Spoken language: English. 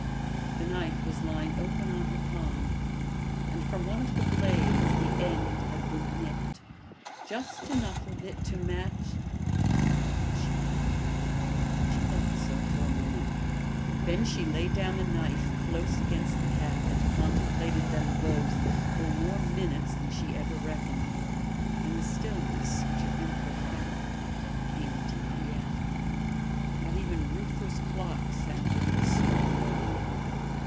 The knife was lying open on her palm, and from one of the blades the end had been nipped, just enough of it to match Was she mad! She thought so for a moment; then she laid down the knife close against the cap and contemplated them both for more minutes than she ever reckoned. And the stillness, which had been profound, became deeper yet. Not even Reuther's clock sounded its small note.